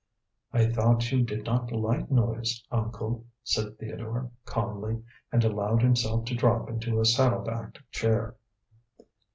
"I thought you did not like noise, uncle," said Theodore calmly, and allowed himself to drop into a saddle back chair.